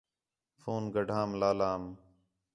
فون گڈھام لالام